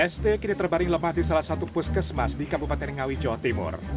st kini terbaring lemah di salah satu puskesmas di kabupaten ngawi jawa timur